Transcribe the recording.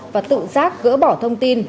và tự giác gỡ bỏ thông tin